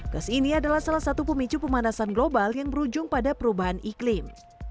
gas ini adalah salah satu pemicu pemanasan global yang berujung pada perubahan iklim